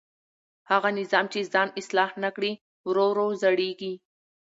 هغه نظام چې ځان اصلاح نه کړي ورو ورو زړېږي